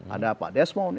ada pak desmond